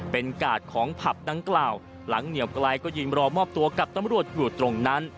เป็นกาดของผับดังกล่าวหลังเหนียวไกลก็ยืนรอมอบตัวกับตำรวจอยู่ตรงนั้น